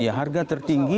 iya harga tertinggi